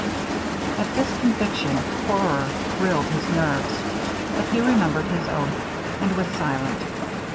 At this conviction, horror thrilled his nerves; but he remembered his oath, and was silent.